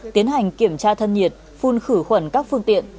tiến hành kiểm tra thân nhiệt phun khử khuẩn các phương tiện